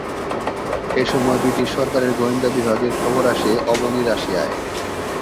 এসময় ব্রিটিশ সরকারের গোয়েন্দা বিভাগের খবর আসে অবনী রাশিয়ায়।